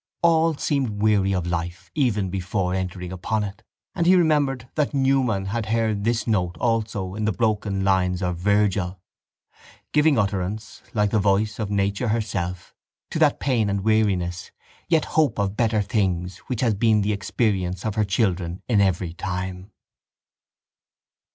All seemed weary of life even before entering upon it. And he remembered that Newman had heard this note also in the broken lines of Virgil, "giving utterance, like the voice of Nature herself, to that pain and weariness yet hope of better things which has been the experience of her children in every time."